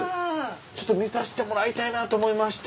ちょっと見させてもらいたいなと思いまして。